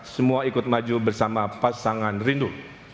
semua ikut maju bersama pasangan rindu